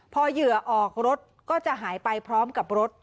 พอเหยื่อออกรถก็จะหายไปพร้อมกับรถ